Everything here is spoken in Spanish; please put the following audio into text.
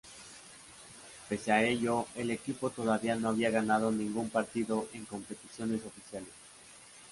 Pese a ello, el equipo todavía no había ganado ningún partido en competiciones oficiales.